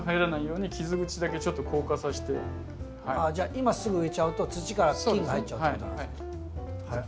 じゃあ今すぐ植えちゃうと土から菌が入っちゃうってことなんですか。